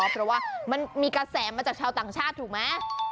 เพราะว่ามันมีกระแสมาจากชาวต่างชาติถูกไหม